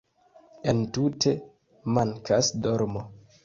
Entute mankas dormo